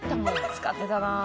使ってたなあ。